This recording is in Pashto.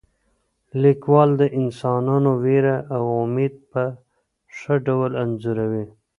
لیکوال د انسانانو ویره او امید په ښه ډول انځوروي.